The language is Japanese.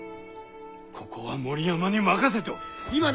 ここは森山に任せておる。